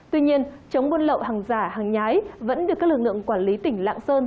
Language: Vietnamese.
tuy nhiên chống buôn lậu hàng giả hàng nhái vẫn được các lực lượng quản lý tỉnh lạng sơn